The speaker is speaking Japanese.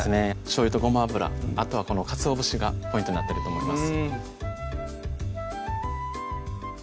しょうゆとごま油あとはこのかつお節がポイントになってると思います